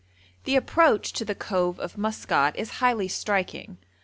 The approach to the cove of Maskat is highly striking.